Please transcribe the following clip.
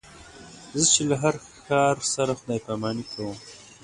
زه چې له هر ښار سره خدای پاماني کوم.